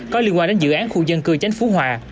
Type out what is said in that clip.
có liên quan đến dự án khu dân cư chánh phú hòa